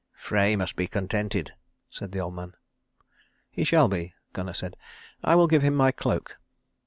"Frey must be contented," said the old man. "He shall be," Gunnar said; "I will give him my cloak."